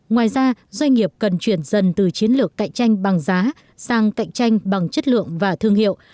ngoài ra doanh nghiệp cần chuyển dần từ chiến lược cạnh tranh bằng giá sang cạnh tranh bằng chất lượng và thương hiệu